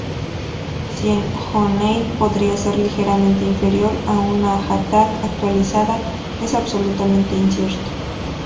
Si un O'Neill podría ser ligeramente inferior a una Ha'tak actualizada, es absolutamente incierto.